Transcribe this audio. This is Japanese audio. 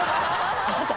あなた。